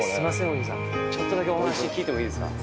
お兄さんちょっとだけお話聞いてもいいですか？